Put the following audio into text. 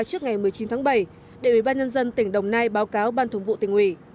trước ngày một mươi chín tháng bảy để ủy ban nhân dân tỉnh đồng nai báo cáo ban thường vụ tỉnh ủy